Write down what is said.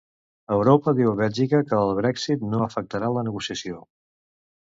Europa diu a Bèlgica que el Brèxit no afectarà la negociació.